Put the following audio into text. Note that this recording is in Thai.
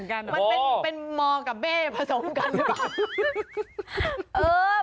มันเป็นมอร์กับเบ้ผสมกันหรือเปล่า